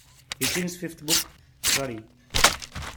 Hitchings's fifth book, Sorry!